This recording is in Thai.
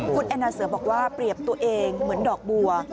คุณแอนนาเสือบอกว่าเปรียบตัวเองเหมือนดอกบัว